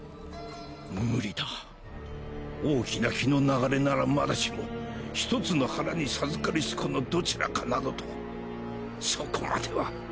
無理だ大きな気の流れならまだしも一つの腹に授かりし子のどちらかなどとそこまでは。